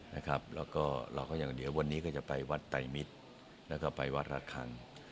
แล้วก็เราก็ยังเดี๋ยววันนี้ก็จะไปวัดไตรมิตรแล้วก็ไปวัดระคัง